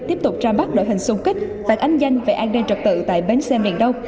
tiếp tục ra mắt đội hình sung kích phản ứng nhanh về an ninh trật tự tại bến xe miền đông